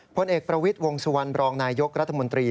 พลเอกประวิทย์วงสุวรรณบรองนายยกรัฐมนตรี